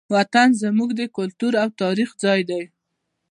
وطن زموږ د کلتور او تاریخ ځای دی.